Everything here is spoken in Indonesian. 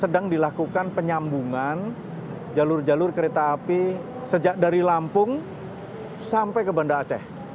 sedang dilakukan penyambungan jalur jalur kereta api sejak dari lampung sampai ke banda aceh